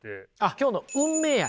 今日の「運命愛」